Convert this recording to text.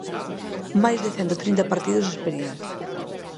Máis de cento trinta partidos de experiencia.